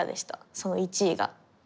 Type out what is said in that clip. その１位が。